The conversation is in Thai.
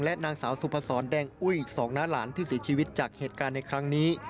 นางสาวสุพศรแดงอุ้ยสองน้าหลานที่เสียชีวิตจากเหตุการณ์ในครั้งนี้